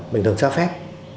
bình thường cho phép